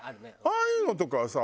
ああいうのとかはさ